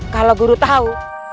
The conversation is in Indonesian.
kalau guru tahu